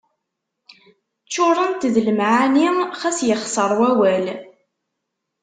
Ččurent d lemɛani xas yexseṛ wawal.